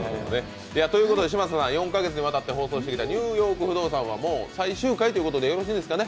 嶋佐さん、４カ月にわたって放送してきた「ニューヨーク不動産」はもう最終回ということでよろしいですかね？